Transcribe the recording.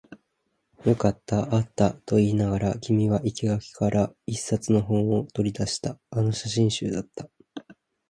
よかった、あったと言いながら、君は生垣から一冊の本を取り出した。あの写真集だった。